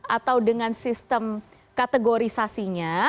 atau dengan sistem kategorisasinya